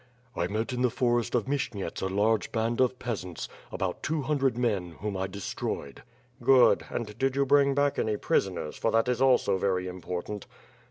"I met in the forest of Mshyniets a large band of peasants, about two hundred men, whom I destroyed." "Good, and did you bring back any prisoners, fof that is also very important."